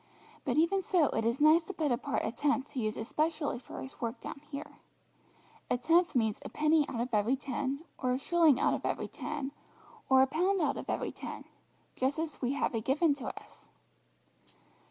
But even so it is nice to put apart a tenth to use especially for His work down here. A tenth means a penny out of every ten, or a shilling out of every ten, or a pound out of every ten, just as we have it given to us."